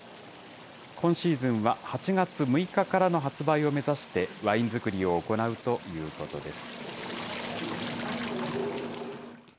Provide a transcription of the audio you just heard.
今シーズンは８月６日からの発売を目指して、ワイン造りを行うということです。